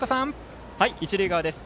一塁側です。